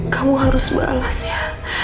kamu harus balas ya